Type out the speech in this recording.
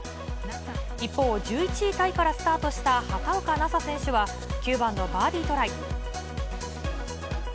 一方、１１位タイからスタートした畑岡奈紗選手は、９番のバーディートライ。